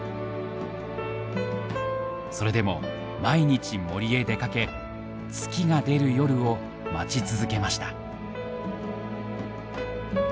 それでも毎日森へ出かけ月が出る夜を待ち続けました。